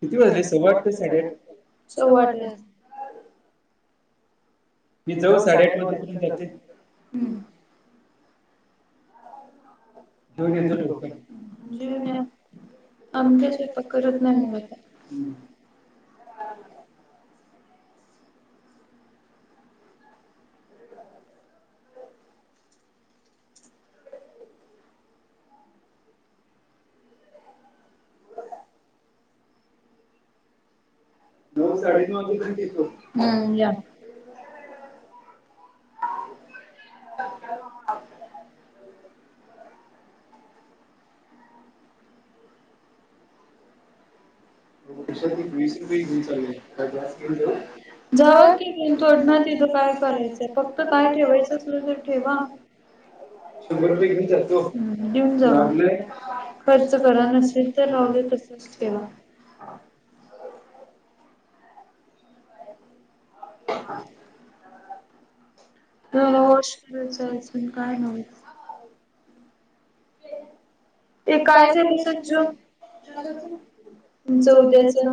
किती वाजले सव्वा आठ का साडेआठ सव्वा आठ वे. मी जाऊ साडेआठ वाजेपर्यंत चालते, ह्म्म. [unintelligible] जेवून या आम्ही काय स्वैपाक करत नाही मग आता. नऊ साडेनऊ वाजे पर्यंत येतो. ह्म्म या. [inaudible] [inaudible] खिशात एक वीस रुपये घेऊन चाललोय आहे [unintelligible] जावा की ही पर्सनल तिथ काय करायचंय फक्त काय ठेवायचं असल तर ठेवा, शंभर रुपये घेऊन जातो. घेऊन जा. लागले. खर्च करा नसेल तर राहू द्या तसच ठेवा. हा [inaudible] दरहोश विचारायच काय हव? ते काय झालं स जग तुमचं उद्याच?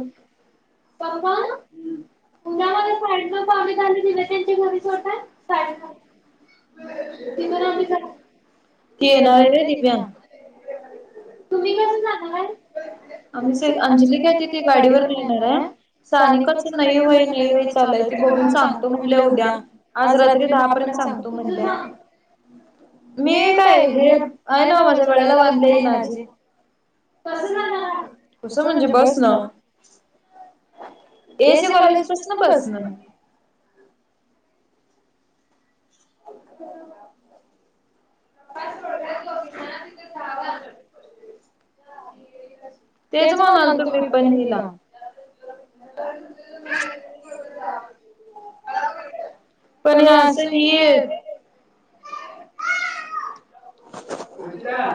पप्पा उद्या माझ शाळेचं [unintelligible] त्यांच्या घरी सोडता शाळेतून, ती येणार हे व्हय दिव्या? तुम्ही कस जाणार आहे? आम्हीच अंजली काय तिथे गाडीवरन येणार आहे? सानिकाच नाही होय नाही होई चालय ते बघून सांगतो म्हणले उद्या, आज रात्री दहा पर्यंत सांगतो म्हणल्या, मी काय हे आहे ना माझ्या गळ्याला बांधल्या ह नाझी कसं झालं हूळ, कसं म्हणजे बस ना. एसी कॉलेजपास न बसन [unintelligible] काय सोड काय सोड तेच म्हणाल तुम्ही पण हिला [unintelligible] पण हे अस ही हे सुचिता हा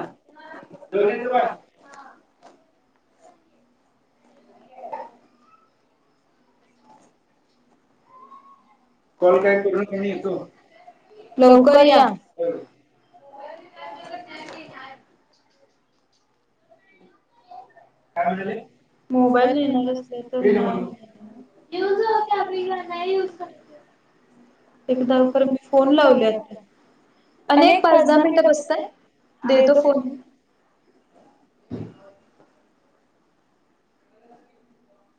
दवनच बग हा ट कॉल काय करून येतो लवकर या हो मोबाईल काय म्हणाली मोबाईल नेणार असले घेऊन जावा कि आम्ही इकडे नाही यूज करत तर एकदा मी फोन लावलेता अ एक पाच दहा मिनट असतय देतो फोन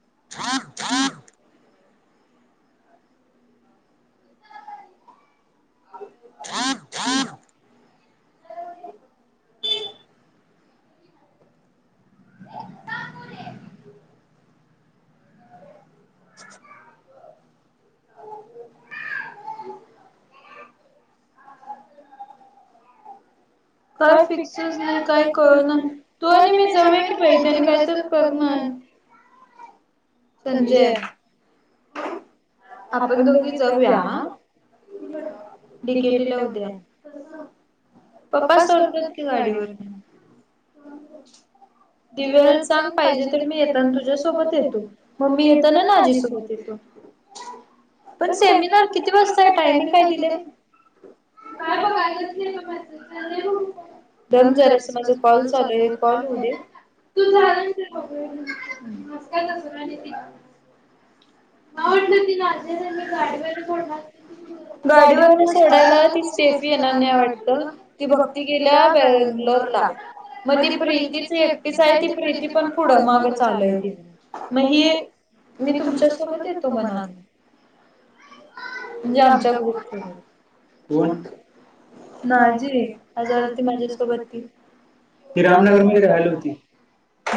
[inaudible] [inaudible] [inaudible] [inaudible] [inaudible] [inaudible] काय फिक्सच नाही. काय कळणा अन तू आणि मी जाऊ याकी बाई. तेनी काय करणाई. संजय आपण दोघीच जाऊया. हा डि के टी ला उद्या. पप्पा सोडत्यात की गाडीवरन [inaudible] दिव्याला सांग पाहिजे तर मी येताना तुझ्यासोबत येतो. मम्मी येताना नाझी सोबत येतो. पण सेमिनार किती वाजताय टायमिंग काय दिले? काय बघायला नाही. दम जरास माझा कॉल चालूय. एक कॉल होऊ दे. [inaudible] मला वाटल ति गाडीवरोड गाडीवर सोडायला ती स्टेफी येणार नाही वाटत भक्ती गेल्या बँगलोर ला म ती प्रीतीच एकटीच आहे ती प्रीती पण पुढ माग चालु हाय तिच मग ह मी तुमच्या सो तोपर्यंत येतो म्हणाली, [inaudible] ये आमच्या ग्रुप मध्ये. ती रामनगर मध्ये राहायला होती.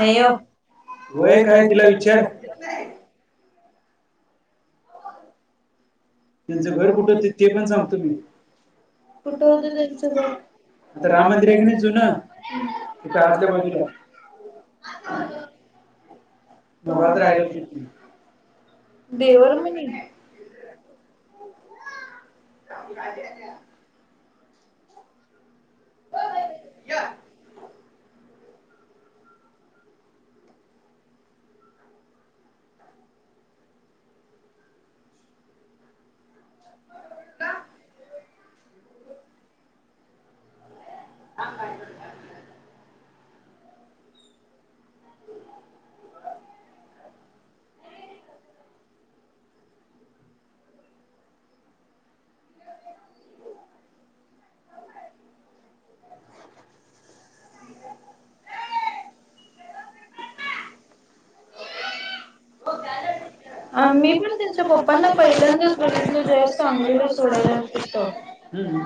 नाही ओ व्हय काय? तिला विचार. त्यांचं घर कुठं होत ते पण सांगतो मी कुठ होत त्यांच घर? आता राम मंदिर आहे की नाही जुन, तिथ आतल्या बाजूला. मगात राहिल शटंग [inaudible] देवर म्हणे [inaudible] [inaudible] [inaudible] का? [inaudible] [inaudible] [inaudible] [inaudible] हा मी पण त्यांच्या पप्पांना पहिल्यांदाच बघितलं जेव्हा सांगलीला सोडायला अलतीत तवा ह.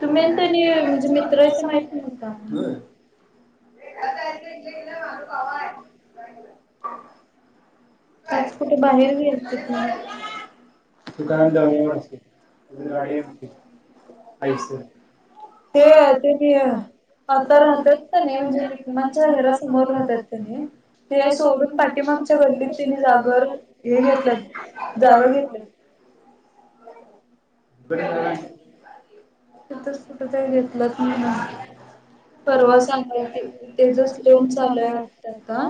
तुम्ही आणि त्यांनी म्हणजे मित्रच माहित नव्हता. [inaudible] [inaudible] आज कुठे बाहेर गेलते का? [inaudible] ते ते बी आता राहतात कनी म्हणजे निकमांच्या घरा समोर राहतात त्यांनी ते सोडून पाठीमागच्या गल्लीत. तिने जागर हे घेतल्यात जागा घेतल्यात. तिथंच कुठं काय घेतलंत म्हण परवा सांगाय [inaudible] त्याचंच लोन चालूय वाटतं आता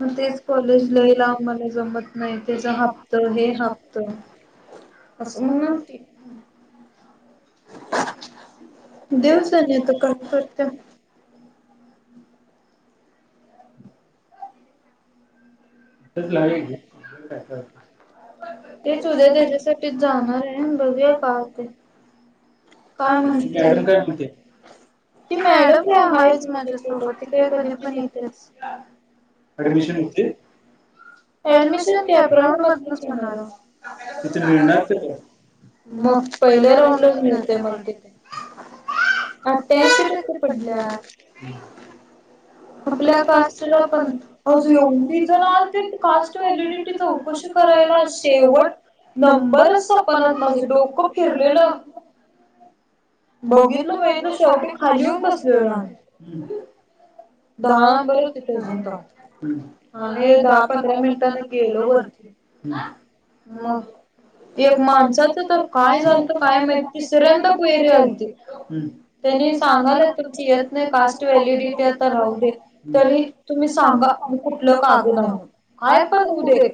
मग तेच कॉलेजला येयला मला जमत नाही त्याचं हप्तं हे हप्तं असं म्हणालती दिवसाले [inaudible] [inaudible] ते तुझ्या त्याच्यासाठी जाणार आहे बघूया काय होतंय. काय म्हणते? मॅडम काय म्हणत्या? ती मॅडम काय हायचं माझ्यासोबत ती काय कधीपण येत्याच. ऍडमिशन होतंय? ऍडमिशन [inaudible] राउंड मधनच होणार ओ. मग ते मिळणार तर का? मग पहिल्या राऊंडलाच मिळतंय म्हणतेत, आट्ठ्यांशी टक्के पडल्यात आपल्या कास्टला तर आज एवढी [inaudible] ते कास्ट व्हॅलिडिटी चौकशी करायला शेवट नंबरच सपणत माझ डोकं फिरलेलं, बघितलं बघितलं शेवटी खाली होऊन बसलेलो आम्ही दहा नंबर तिथं अजून तर आणि दहा पण पंधरा मिनिटाने गेलो वरती मग, एक माणसाचं तर काय झालत काय माह्य तिसऱ्यांदा [inaudible] आलती. त्यांनी सांगाला तुमची येत नाही कास्ट वैलिडिटी आता राहू दे तरी तुम्ही सांगा मी कर लोक [inaudible] काय पण होऊ दे,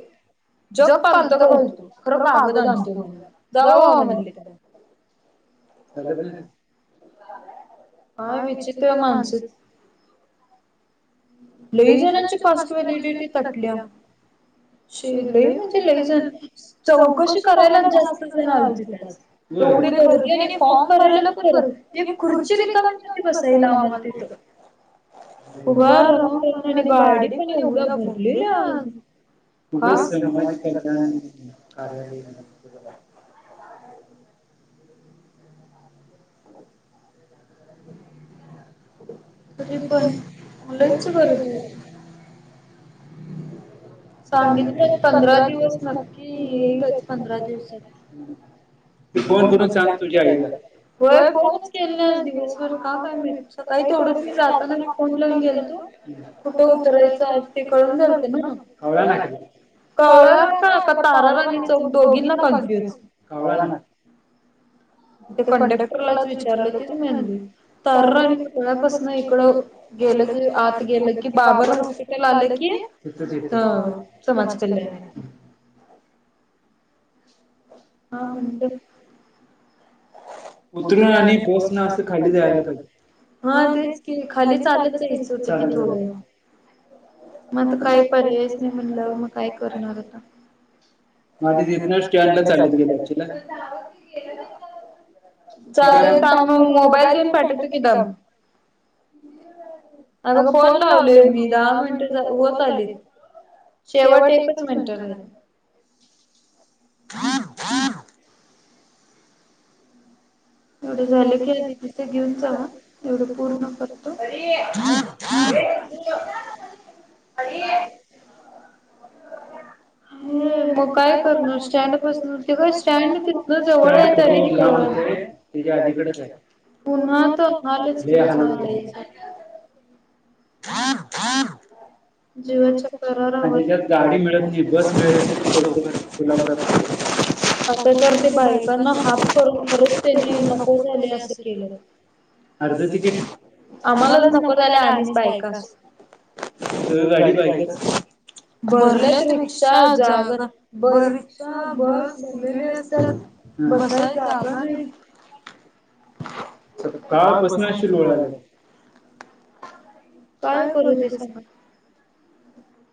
जग पालतं घालतो खरं कागद आणतो [inaudible] जावा व्हा म्हले चालत नाय? [inaudible] काय विचित्र माणसं लय जणांची कॉस्ट व्हॅलिडिटी त्यात [inaudible] लई म्हणजे लई जण चौकशी करायलाच जास्त जण आलति त्यात. व्हय एवढी गर्दी आणि फॉर्म भरायला परत एक खुर्ची रिकामी नव्हती बसायला आम्हाला तिथं. उभा राहून राहून आणि गाडी पण एवढं भरली [inaudible] तिथं समाज कल्याण कार्यालय आणि [inaudible] [inaudible] तिथे पण लईच गर्दी होती. सांगितलं एक पंधरा दिवस नक्की येईलच पंधरा दिवसात हम फोन करून सांग तुझ्या आईला. होय फोनच केली नाही आज दिवसभर का काय माहित सकाळी तेवढंच मी जाताना फोन लावून गेलतो. कुठं उतरायचंय ते कळना झालतं ना. कळलं नाय काय? कळलं ना आता का तारा राणी आणि चौक दोघींना कन्फ्युज, घावला ना? ते कंडक्टरलाच विचारलं ती म्हणले, ताराराणी पुतळ्या पास्नं इकडं गेलं की आत गेलं की बाबर हॉस्पिटल आलं की [inaudible] हा समाज कल्याण ए हा म्हणतात उतरून आणि बस न खाली जायला पाहिजे हा तेच खाली चालत आहे म आता काही पर्यायचं नाही काय करयच मग इतना आणि स्टॅन्ड ला चालत गेला अशीला चाले तांब मग मोबाईल देऊन पाठवतो कि दम अगं फोन लावलेय मी दहा मिनटं होत आली शेवट एकच मिनिटं राहिली हम् हम्म [inaudible] एवढं झाल की आधी तीच घेऊन जावा एवढं पूर्ण करतो मग काय करणार स्टँडपसनते का स्टँड तिथन जवळ आहे तरी जवळ ते अलीकडेच हाय पुन्हा आता हाल च कि होणार थान थान जिवाच्या करारावर गाडी मिळत नाही बस मिळतंय बग कोल्हापुरात आता तर ते बायकांना हात करून खरच नको झाले अस केलं आम्हालाच नको झाले आम्हीच बायका असून सगळ गाडीत बायकच भरल्यात रिक्षा जागा ब रिक्षा बस भरलेली असत बसाय जागा नाही काळ कसला सुरु झाला काय करूते स